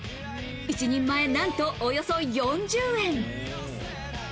一人前なんと、およそ４０円。